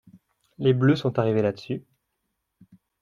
Les bleus sont arrivés là-dessus.